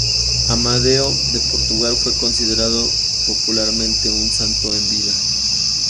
Amadeo de Portugal fue considerado, popularmente, un santo en vida.